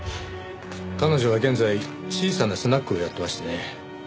彼女は現在小さなスナックをやってましてね